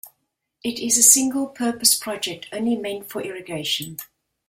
It is a single purpose project only meant for Irrigation.